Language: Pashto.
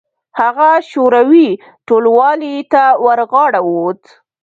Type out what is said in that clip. هغه شوروي ټلوالې ته ورغاړه وت.